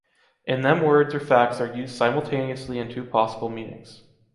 In them words or facts are used simultaneously in two possible meanings.